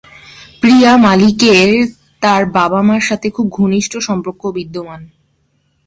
প্রিয়া মালিকের তার বাবা-মার সাথে খুব ঘনিষ্ঠ সম্পর্ক বিদ্যমান।